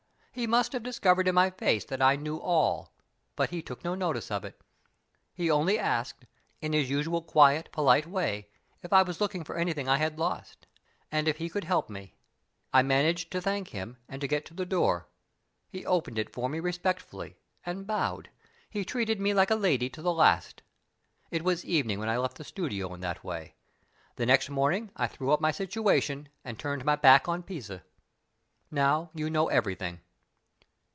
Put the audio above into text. He must have discovered in my face that I knew all, but he took no notice of it. He only asked, in his usual quiet, polite way, if I was looking for anything I had lost, and if he could help me. I managed to thank him, and to get to the door. He opened it for me respectfully, and bowed he treated me like a lady to the last! It was evening when I left the studio in that way. The next morning I threw up my situation, and turned my back on Pisa. Now you know everything."